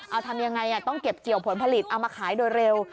เอาทำยังไงต้องเก็บเกี่ยวผลผลิตเอามาขายโดยเร็ว